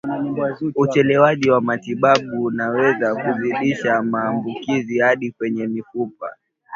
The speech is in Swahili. Uchelewaji wa matibabu unaweza kuzidisha maambukizi hadi kwenye mifupa